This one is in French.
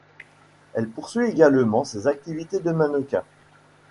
Elle poursuit également ses activités de mannequin.